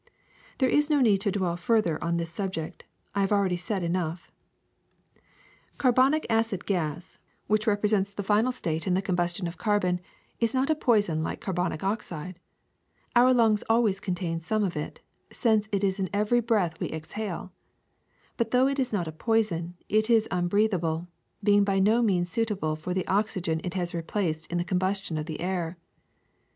There is no need to dwell further on this subject; I have already said enough. *^ Carbonic acid gas, which represents the final 306 THE SECRET OF EVERYDAY THINGS stage in the combustion of carbon, is not a poison like carbonic oxide; our lungs always contain some of it, since it is in every breath we exhale ; but, though it is not a poison, it is unbreathable, being by no means a substitute for the oxygen it has replaced in the composition of the air.